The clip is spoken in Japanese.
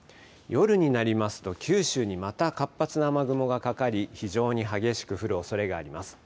夜になりますと、九州にまた活発な雨雲がかかり、非常に激しく降るおそれがあります。